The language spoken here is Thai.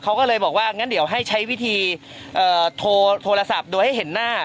เขาก็เลยบอกว่างั้นเดี๋ยวให้ใช้วิธีโทรศัพท์โดยให้เห็นหน้า